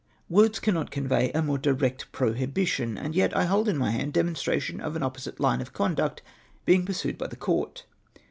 Words cannot convey a more distinct prohibition, and yet I hold in my hand demonstration of an opposite line of conduct being pursued by the Court.